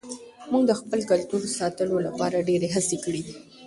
موږ د خپل کلتور ساتلو لپاره ډېرې هڅې کړې دي.